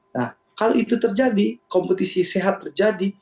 nah kalau itu terjadi kompetisi sehat terjadi